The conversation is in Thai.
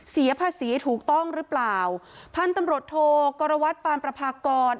เสียภาษีถูกต้องหรือเปล่าพันธุ์ตำรวจโทกรวัตรปานประพากร